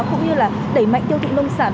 cũng như là đẩy mạnh tiêu thị nông sản